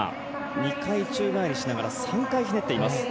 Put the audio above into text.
２回宙返りしながら３回ひねっています。